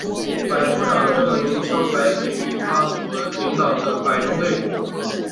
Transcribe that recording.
百夫长这个名称来自于他们所领导百人队。